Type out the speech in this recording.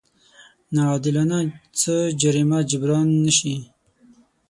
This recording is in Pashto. ناعادلانه څه جريمه جبران نه شي.